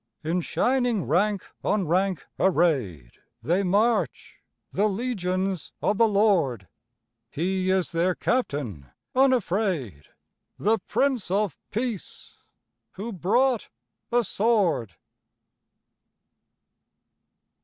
In shining rank on rank arrayed They march, the legions of the Lord; He is their Captain unafraid, The Prince of Peace ... Who brought a sword.